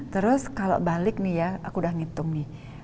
terus kalau balik nih ya aku udah ngitung nih